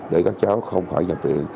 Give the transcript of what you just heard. để các cháu không phải nhập viện